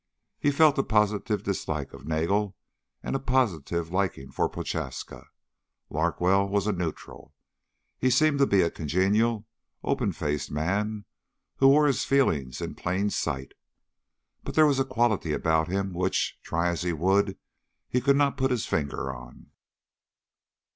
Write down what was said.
He felt a positive dislike of Nagel and a positive liking for Prochaska. Larkwell was a neutral. He seemed to be a congenial, open faced man who wore his feelings in plain sight. But there was a quality about him which, try as he would, he could not put his finger on.